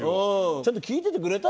ちゃんと聞いててくれた？